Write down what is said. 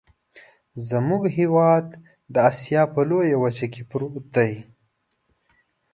زمونږ هیواد د اسیا په لویه وچه کې پروت دی.